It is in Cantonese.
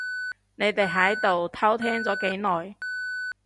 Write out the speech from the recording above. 你哋喺度偷聽咗幾耐？